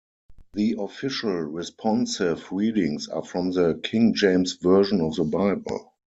The official Responsive Readings are from the "King James Version of the Bible".